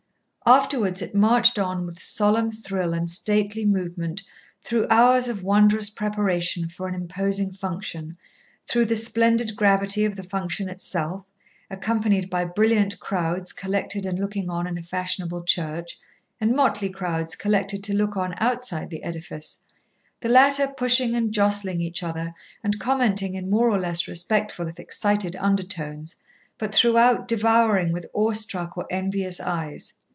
Afterwards it marched on with solemn thrill and stately movement through hours of wondrous preparation for an imposing function, through the splendid gravity of the function itself, accompanied by brilliant crowds collected and looking on in a fashionable church, and motley crowds collected to look on outside the edifice, the latter pushing and jostling each other and commenting in more or less respectful if excited undertones, but throughout devouring with awe struck or envious eyes.